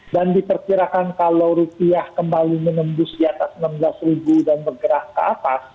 dan diperkirakan kalau rupiah kembali menembus di atas enam belas dan bergerak ke atas